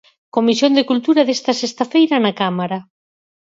Comisión de Cultura desta sexta feira na Cámara.